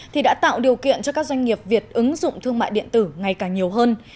thì đã tạo điều kiện cho các doanh nghiệp việt ứng dụng thương mại điện tử ngày càng nhiều hơn